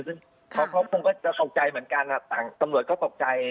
ซึ่งเขาก็ตกใจเหมือนกันอะต่างสมรวจก็ตกใจ